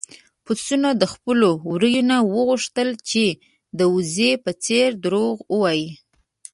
پسونو د خپل وري نه وغوښتل چې د وزې په څېر دروغ ووايي.